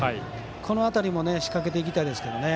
この辺りも仕掛けていきたいですね。